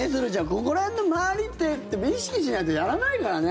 ここら辺の周りって意識しないとやらないからね。